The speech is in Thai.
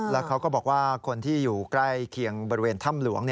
แล้วเขาก็บอกว่าคนที่อยู่ใกล้เคียงบริเวณถ้ำหลวง